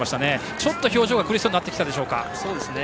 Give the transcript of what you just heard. ちょっと表情が苦しそうになってきましたかね。